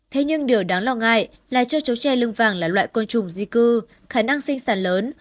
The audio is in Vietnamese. thế nhưng điều đáng lo ngại là cho châu chấu tre lương vàng là loại côn trùng di cư khả năng sinh sản lớn